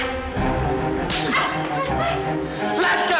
papa keterlaluan papa keterlaluan